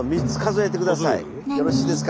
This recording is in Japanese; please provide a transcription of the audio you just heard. よろしいですか？